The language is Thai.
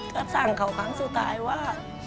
ก็สั่งเขาครั้งสุดท้ายว่า